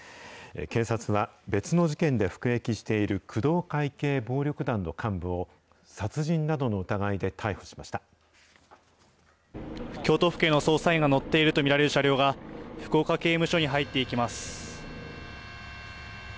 警察は、別の事件で服役している工藤会系暴力団の幹部を、殺人な京都府警の捜査員が乗っていると見られる車両が、福岡刑務所に入っていきます。